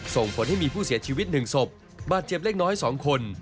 ส่งผลให้มีผู้เสียชีวิต๑ศพบาดเจ็บเล็กน้อย๒คน